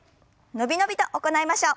伸び伸びと行いましょう。